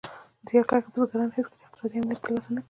زیار کښه بزګران هېڅکله اقتصادي امنیت تر لاسه نه کړ.